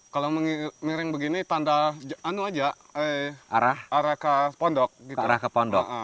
kalau miring begini tanda arah ke pondok